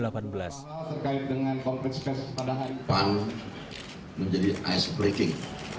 pertama pan menjadi icebreaking